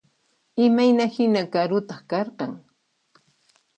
Imayna hina karutaq karqan?